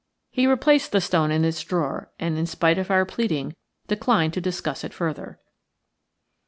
He replaced the stone in its drawer and, in spite of our pleading, declined to discuss it further.